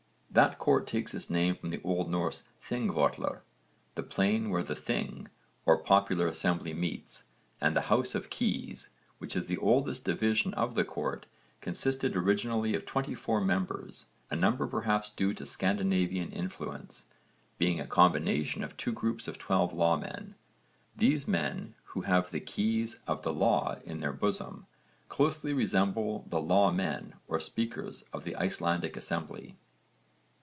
That court takes its name from the Old Norse Þing völlr, the plain where the Þing or popular assembly meets, and the House of Keys, which is the oldest division of the court, consisted originally of 24 members, a number perhaps due to Scandinavian influence, being a combination of two groups of 12 lawmen (v. supra, p. 103). These men who have the 'keys of the law' in their bosom closely resemble the 'lawmen' or speakers of the Icelandic assembly.